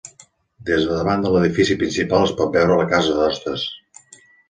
Des de davant de l'edifici principal es pot veure la casa d'hostes.